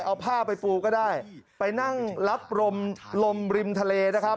เอาผ้าไปฟูก็ได้ไปนั่งรับลมลมริมทะเลนะครับ